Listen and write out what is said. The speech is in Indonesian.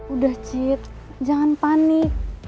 udah cid jangan panik